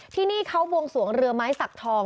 ที่นี่เขาวงสวงเรือไม้สักทอง